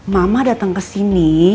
mama datang ke sini